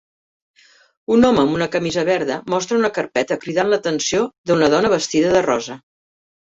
Un home amb una camisa verda mostra una carpeta cridant l'atenció d'una dona vestida de rosa.